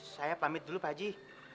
saya pamit dulu pak haji